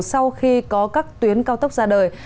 sau khi có các tuyến cao tốc ra đời